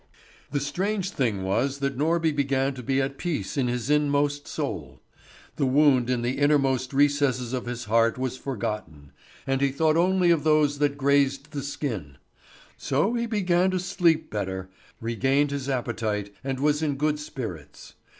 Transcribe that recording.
The strange thing was that Norby began to be at peace in his inmost soul. The wound in the innermost recesses of his heart was forgotten, and he thought only of those that grazed the skin; so he began to sleep better, regained his appetite, and was in good spirits.